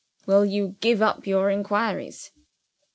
"Will you give up your inquiries?"